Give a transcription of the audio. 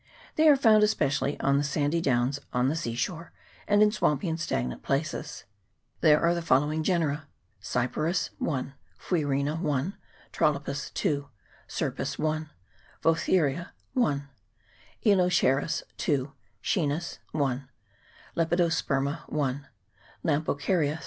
They are found especially on the sandy downs on the sea shore, and in swampy and stagnant places. There are the following genera: Cyperus (1), Fuirena (1), Trolepis (2), Scirpus (1), Vauthiera (1), Elseocharis (2), Schoenus (1), Lepidosperma (1), Lampocarya (3).